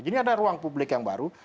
jadi ada ruang publik yang baru